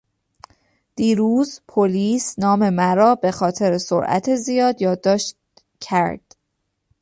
دیروز پلیس نام مرا به خاطر سرعت زیاد یادداشت کرد.